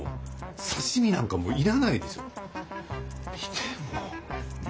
刺身なんかもう要らないでしょ。